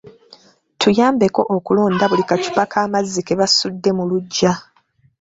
Tuyambeko okulonda buli ka ccupa k'amazzi ke basudde mu luggya.